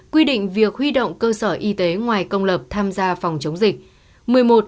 một mươi quy định việc huy động cơ sở y tế ngoài công lập tham gia phòng chống dịch